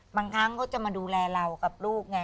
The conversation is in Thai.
บางครั้งเขาจะมาดูแลเรากับลูกไง